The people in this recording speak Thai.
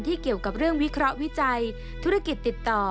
เกี่ยวกับเรื่องวิเคราะห์วิจัยธุรกิจติดต่อ